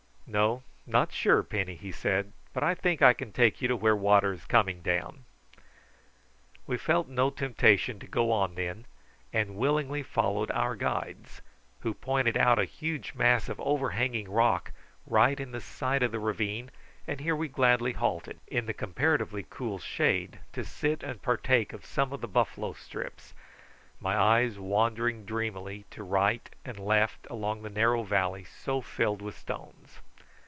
"No, not sure, Penny," he said; "but I think I can take you to where water is coming down." We felt no temptation to go on then, and willingly followed our guides, who pointed out a huge mass of overhanging rock right in the side of the ravine, and here we gladly halted, in the comparatively cool shade, to sit and partake of some of the buffalo strips, my eyes wandering dreamily to right and left along the narrow valley so filled with stones.